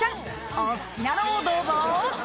お好きなのをどうぞ！］